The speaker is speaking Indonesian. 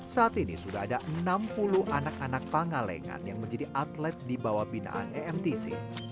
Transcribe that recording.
saat ini sudah ada enam puluh anak anak pangalengan yang menjadi atlet di bawah binaan emtc